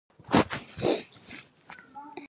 تاپسې مې ډېر ژړلي دي جانانه سترغلي مې پړسېدلي دي جانانه